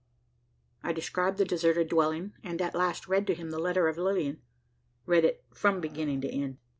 I described the deserted dwelling; and at last read to him the letter of Lilian read it from beginning to end.